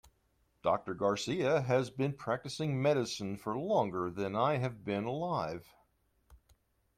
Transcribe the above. Doctor Garcia has been practicing medicine for longer than I have been alive.